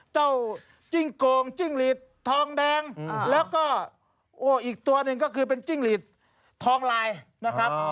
จิ้งโกงจิ้งหลีดทองแดงแล้วก็โอ้อีกตัวหนึ่งก็คือเป็นจิ้งหลีดทองลายนะครับ